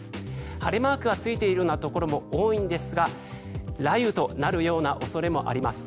晴れマークがついているようなところも多いんですが雷雨となるような恐れもあります。